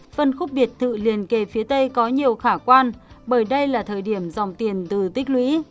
phân khúc biệt thự liền kề phía tây có nhiều khả quan bởi đây là thời điểm dòng tiền từ tích lũy